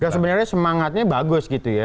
sebenarnya semangatnya bagus gitu ya